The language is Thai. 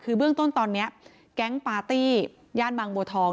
คือเบื้องต้นตอนนี้แก๊งปาร์ตี้ย่านบางบัวทอง